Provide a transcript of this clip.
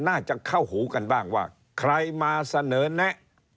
น่าจะเข้าหูกันบ้างว่าใครมาเสนอแนะ